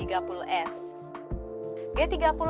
yang gugur dalam peristiwa yang tersebut